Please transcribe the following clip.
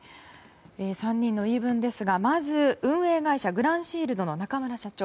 ３人の言い分ですがまずは運営会社グランシールドの中村社長。